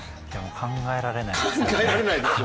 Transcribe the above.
考えられないですね。